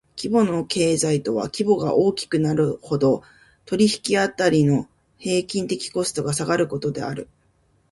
規模の経済とは規模が大きくなるほど、取引辺りの平均的コストが下がることである。